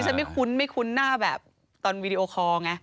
ฉันไม่คุ้นไม่คุ้นหน้าแบบตอนวีดีโอคอร์ไง